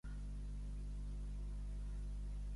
James Fotopoulos va créixer a Norridge, Illinois.